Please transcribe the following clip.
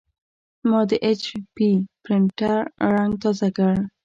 ما د ایچ پي پرنټر رنګ تازه کړ.